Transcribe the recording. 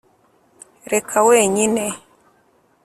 reka wenyine